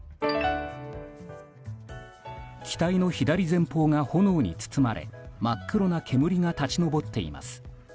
機体の左前方が炎に包まれ真っ黒な煙が立ち上っています。